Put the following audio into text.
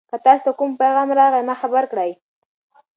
که تاسي ته کوم پیغام راغی ما خبر کړئ.